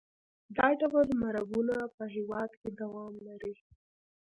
دا ډول مرګونه په هېواد کې دوام لري.